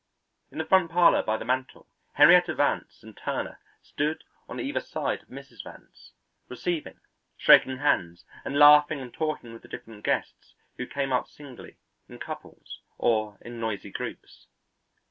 In the front parlour by the mantel Henrietta Vance and Turner stood on either side of Mrs. Vance, receiving, shaking hands, and laughing and talking with the different guests who came up singly, in couples, or in noisy groups.